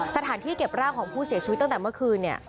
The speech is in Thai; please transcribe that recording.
สถานที่เก็บร่างของผู้เสียชีวิตตั้งแต่เมื่อคืน